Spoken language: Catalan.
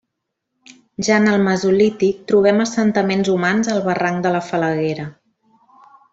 Ja en el mesolític trobem assentaments humans al barranc de la Falaguera.